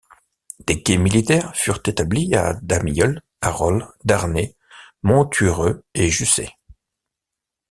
Des quais militaires furent établis à Damieulles, Harol, Darney, Monthureux et Jussey.